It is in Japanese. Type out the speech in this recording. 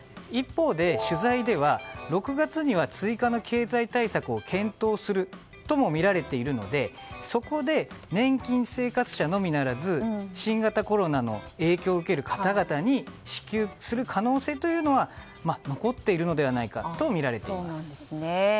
一方で取材では６月には追加の経済対策を検討するともみられているのでそこで年金生活者のみならず新型コロナの影響を受ける方々に支給する可能性というのは残っているのではないかと見られています。